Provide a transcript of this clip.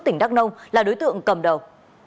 tỉnh đắk nông là đối tượng cầm đầu